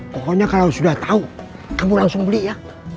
pokoknya kalau sudah tahu kamu langsung beli ya